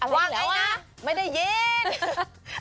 ว่าไงนะไม่ได้ยิน